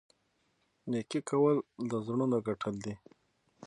نیکي کول د زړونو ګټل دي.